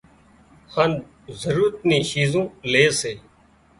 هانَ ضرورت نِي شِيزون لي سي